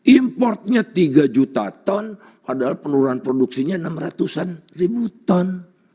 impornya tiga juta ton padahal penurunan produksinya enam ratusan ribu ton